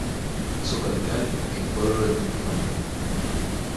Su capital, el pueblo del mismo nombre.